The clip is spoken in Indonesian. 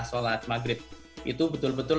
sholat maghrib itu betul betul